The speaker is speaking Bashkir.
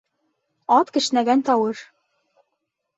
Ат кешнәгән тауыш.